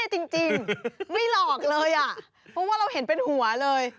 จริงไม่หลอกเลยอ่ะเพราะว่าเราเห็นเป็นหัวเลย